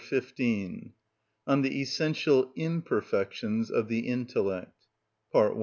Chapter XV. On The Essential Imperfections Of The Intellect.